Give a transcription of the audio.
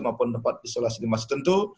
maupun tempat isolasi dimaksud tentu